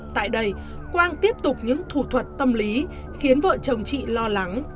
tại đây quang tiếp tục những thủ thuật tâm lý khiến vợ chồng chị lo lắng